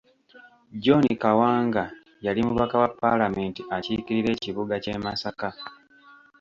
John Kawanga yali mubaka wa palamenti akiikirira ekibuga ky’e Masaka.